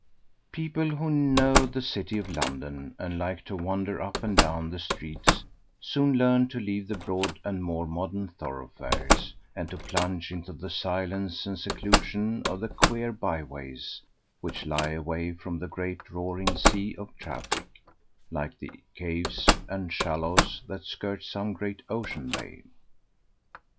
PEOPLE who know the city of London, and like to wander up and down the streets, soon learn to leave the broad and more modern thoroughfares and to plunge into the silence and seclusion of the queer by ways which lie away from the great roaring sea of traffic, like the caves and shallows that skirt some great ocean bay.